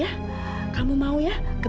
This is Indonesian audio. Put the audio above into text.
aku mau pergi